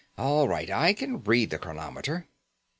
"All right. I can read the chronometer."